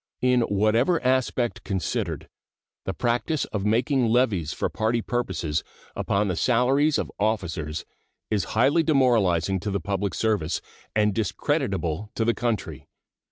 In whatever aspect considered, the practice of making levies for party purposes upon the salaries of officers is highly demoralizing to the public service and discreditable to the country.